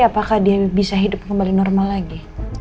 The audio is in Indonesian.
apakah dia bisa hidup kembali normal lagi